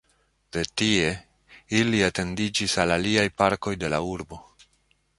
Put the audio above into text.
De tie, Ili etendiĝis al aliaj parkoj de la urbo.